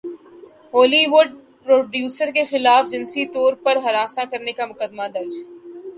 Holi would producer کےخلاف جنسی طور پر ہراساں کرنے کا مقدمہ درج